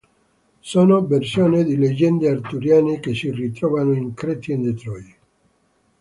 Sono versioni di leggende arturiane che si ritrovano in Chrétien de Troyes.